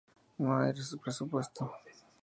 No hay presupuesto.